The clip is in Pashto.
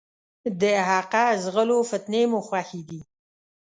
د حقه ځغلو ، فتنې مو خوښي دي.